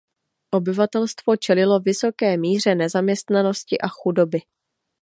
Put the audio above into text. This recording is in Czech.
Obyvatelstvo čelilo vysoké míře nezaměstnanosti a chudoby.